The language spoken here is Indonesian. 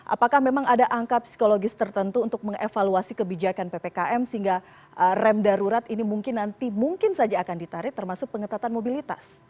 apakah memang ada angka psikologis tertentu untuk mengevaluasi kebijakan ppkm sehingga rem darurat ini mungkin nanti mungkin saja akan ditarik termasuk pengetatan mobilitas